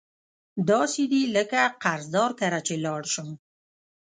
داسي دي لکه قرضدار کره چی لاړ شم